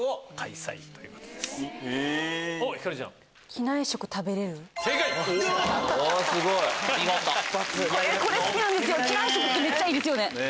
機内食めっちゃいいですよね。